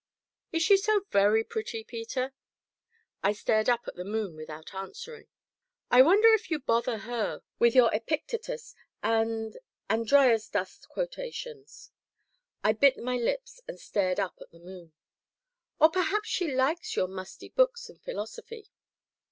"Is she so very pretty, Peter?" I stared up at the moon without answering. "I wonder if you bother her with your Epictetus and and dry as dust quotations?" I bit my lips and stared up at the moon. "Or perhaps she likes your musty books and philosophy?"